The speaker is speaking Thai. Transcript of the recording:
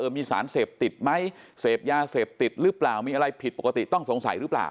มีสารเสพติดไหมเสพยาเสพติดหรือเปล่ามีอะไรผิดปกติต้องสงสัยหรือเปล่า